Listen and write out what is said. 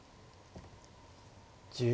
１０秒。